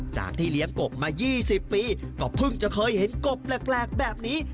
จากที่เลี้ยงกบมา๒๐ปีก็เพิ่งจะเคยเห็นกบแปลกแบบนี้